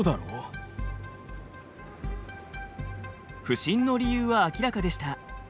不振の理由は明らかでした。